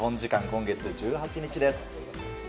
今月１８日です。